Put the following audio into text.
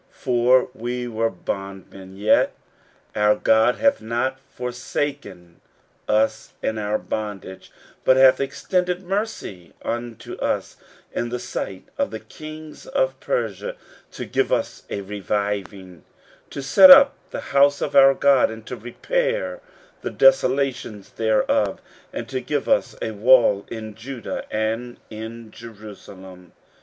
15:009:009 For we were bondmen; yet our God hath not forsaken us in our bondage, but hath extended mercy unto us in the sight of the kings of Persia, to give us a reviving, to set up the house of our God, and to repair the desolations thereof, and to give us a wall in Judah and in Jerusalem.